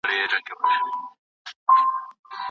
پاچا پخپله میرویس خان بېرته کندهار ته واستاوه.